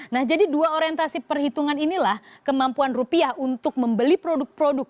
nah jadi dua orientasi perhitungan inilah kemampuan rupiah untuk membeli produk produk